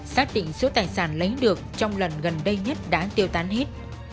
xác định số tài sản lấy được trong lần gần đây nhất đã tiêu tán hết